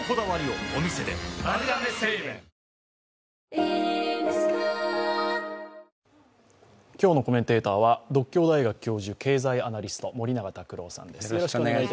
へぇ今日のコメンテーターは獨協大学経済学部教授、経済アナリストの森永卓郎さんです。